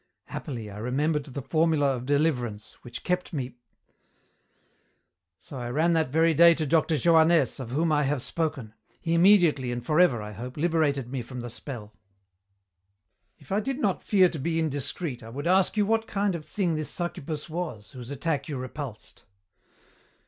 Happily, I remembered the formula of deliverance, which kept me "So I ran that very day to Doctor Johannès, of whom I have spoken. He immediately and forever, I hope, liberated me from the spell." "If I did not fear to be indiscreet, I would ask you what kind of thing this succubus was, whose attack you repulsed."